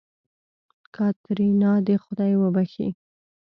کاتېرينا دې خداى وبښي.